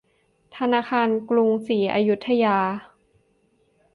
ธนาคารกรุงศรีอยุธยา